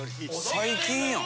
「最近やん」